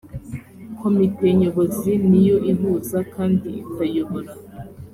komite nyobozi ni yo ihuza kandi ikayobora